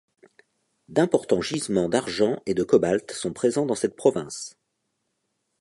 D'importants gisements d'argent et de cobalt sont présents dans cette province.